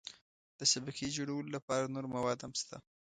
د شبکې جوړولو لپاره نور مواد هم شته.